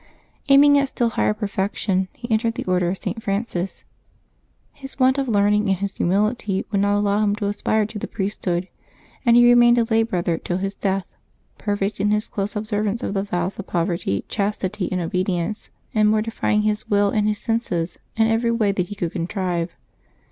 Aiming at still higher per fection, he entered the Order of St. Francis. His want of learning and his humility would not allow him to aspire to the priesthood, and he remained a lay brother till his death, perfect in his close observance of the vows of poverty, chastity, and obedience, and mortifying his will and his senses in ever}^ way that he could contrive.